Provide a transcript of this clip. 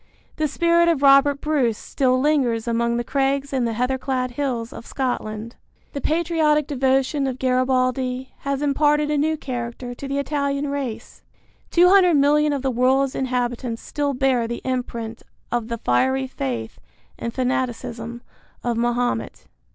The spirit of Robert Bruce still lingers among the crags and heather clad hills of Scotland. The patriotic devotion of Garibaldi has imparted a new character to the Italian race. Two hundred million of the world's inhabitants still bear the imprint of the fiery faith and fanaticism of Mahomet.